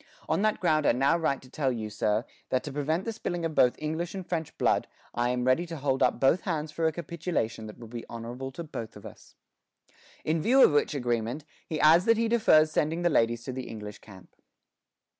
On that ground I now write to tell you, sir, that to prevent the spilling of both English and French blood, I am ready to hold up both hands for a capitulation that will be honorable to both of us. In view of which agreement, he adds that he defers sending the ladies to the English camp.